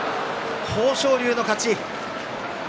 豊昇龍の勝ち。